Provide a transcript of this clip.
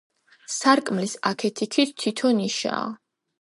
სარკმლის აქეთ-იქით თითო ნიშაა.